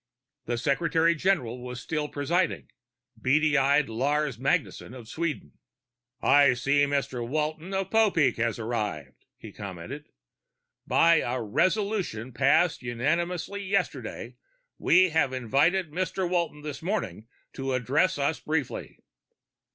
The secretary general was presiding beady eyed Lars Magnusson of Sweden. "I see Mr. Walton of Popeek has arrived," he commented. "By a resolution passed unanimously yesterday, we have invited Mr. Walton this morning to address us briefly.